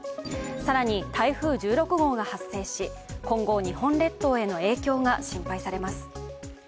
更に台風１６号が発生し、今後、日本列島への影響が心配されます。